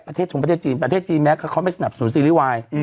ชงประเทศจีนประเทศจีนแม้เขาไม่สนับสนุนซีรีส์วาย